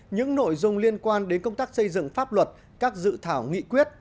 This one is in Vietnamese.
những nội dung liên quan đến công tác xây dựng pháp luật các dự thảo nghị quyết